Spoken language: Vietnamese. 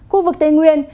khu vực tây nguyên